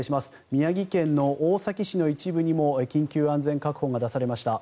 宮城県の大崎市の一部にも緊急安全確保が出されました。